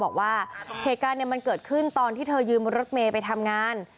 บอกว่าเหตุการณ์มันเกิดขึ้นตอนที่เธอยืมรถเมย์ไปทำงาน